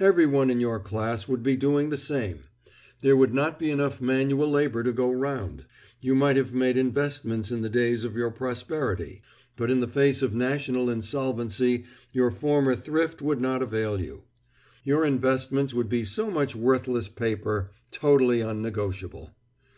Everyone in your class would be doing the same; there would not be enough manual labour to go round. You might have made investments in the days of your prosperity; but in the face of national insolvency your former thrift would not avail you. Your investments would be so much worthless paper, totally unnegotiable.